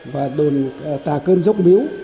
và đồn tà cơn dốc biếu